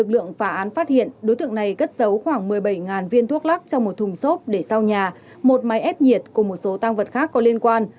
lượng phả án phát hiện đối tượng này cất giấu khoảng một mươi bảy viên thuốc lắc trong một thùng xốp để sau nhà một máy ép nhiệt cùng một số tăng vật khác có liên quan